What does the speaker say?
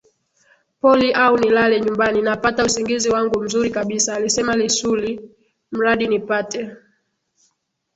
poli au nilale nyumbani napata usingizi wangu mzuri kabisa alisema LissuIli mradi nipate